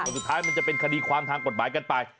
แต่สุดท้ายมันจะเป็นคดีความทางกฎหมายกันไป